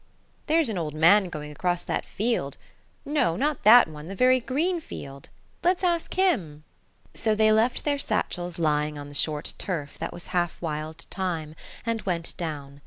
"There's an old man going across that field no, not that one; the very green field. Let's ask him." So they left their satchels lying on the short turf, that was half wild thyme, and went down.